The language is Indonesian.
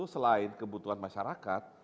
selain kebutuhan masyarakat